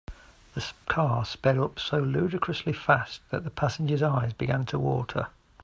The car sped up so ludicrously fast that the passengers eyes began to water.